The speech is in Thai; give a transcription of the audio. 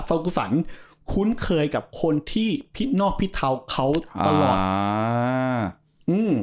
กูสันคุ้นเคยกับคนที่พิษนอกพิเทาเขาตลอดอ่าอืม